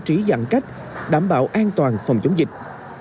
bố trí dặn cách đảm bảo an toàn phòng chống dịch